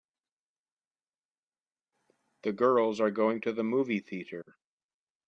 The girls are going to the movie theater.